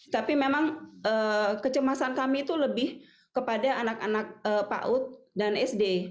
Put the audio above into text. tapi memang kecemasan kami itu lebih kepada anak anak paut dan sd